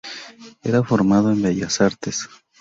Era formado en Bellas Artes.